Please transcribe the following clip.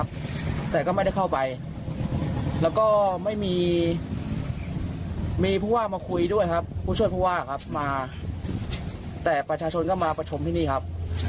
เพราะว่ามันเขตชุมชนนะครับ